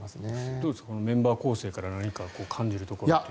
どうですかこのメンバー構成から何か感じるところというのは。